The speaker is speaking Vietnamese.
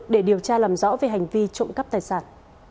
để điều tra làm rõ về hành vi trộm cắp tài sản